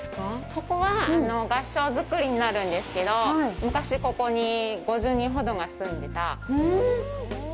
ここは合掌造りになるんですけど昔、ここに５０人ほどが住んでた。